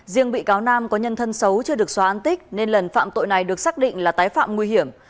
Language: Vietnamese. riêng bị cáo nam có nhân thân xấu chưa được xóa an tích nên lần phạm tội này được xác định là tái phạm nguy hiểm